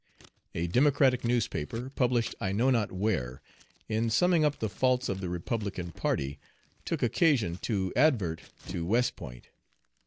A Democratic newspaper, published I know not where, in summing up the faults of the Republican party, took occasion to advert to West Point.